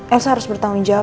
elsa harus bertanggung jawab